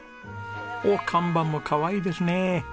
おっ看板もかわいいですね。